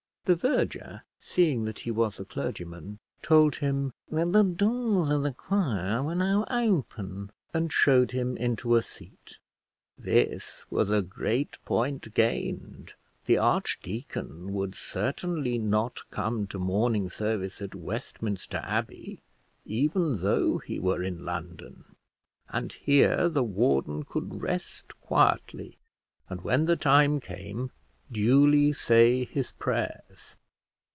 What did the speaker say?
The verger, seeing that he was a clergyman, told him that the doors of the choir were now open, and showed him into a seat. This was a great point gained; the archdeacon would certainly not come to morning service at Westminster Abbey, even though he were in London; and here the warden could rest quietly, and, when the time came, duly say his prayers.